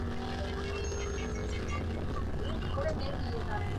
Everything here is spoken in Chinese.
瑙西卡的国王阿尔喀诺俄斯的女儿。